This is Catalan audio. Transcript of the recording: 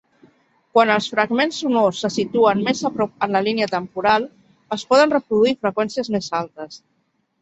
Quan els fragments sonors se situen més a prop en la línia temporal, es poden reproduir freqüències més altes.